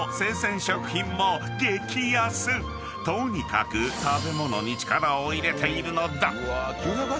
［とにかく食べ物に力を入れているのだ！］